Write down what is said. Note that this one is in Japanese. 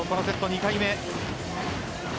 ２回目。